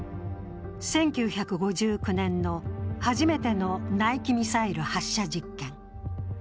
１９５９年の初めてのナイキミサイル発射実験。